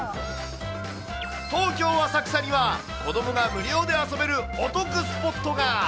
東京・浅草には子どもが無料で遊べるお得スポットが。